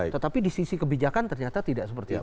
tetapi di sisi kebijakan ternyata tidak seperti itu